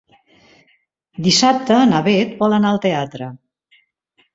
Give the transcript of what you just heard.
Dissabte na Bet vol anar al teatre.